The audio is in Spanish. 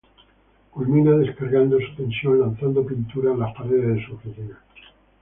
Culmina descargando su tensión lanzando pintura en las paredes de su oficina.